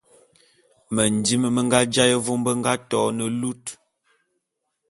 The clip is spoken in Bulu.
Mendim me nga jaé vôm be nga to ne lut.